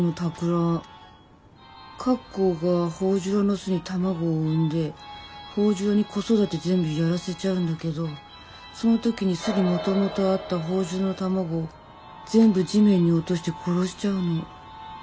カッコウがホオジロの巣に卵を産んでホオジロに子育て全部やらせちゃうんだけどその時に巣にもともとあったホオジロの卵を全部地面に落として殺しちゃうの。